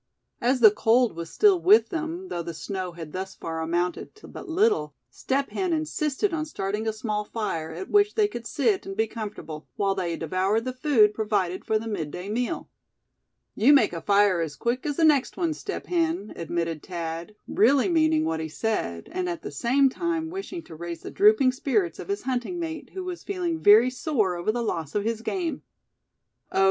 As the cold was still with them, though the snow had thus far amounted to but little, Step Hen insisted on starting a small fire, at which they could sit, and be comfortable, while they devoured the food provided for the midday meal. "You make a fire as quick as the next one, Step Hen," admitted Thad, really meaning what he said, and at the same time wishing to raise the drooping spirits of his hunting mate, who was feeling very sore over the loss of his game. "Oh!